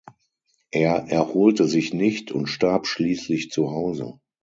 Er erholte sich nicht und starb schließlich zuhause.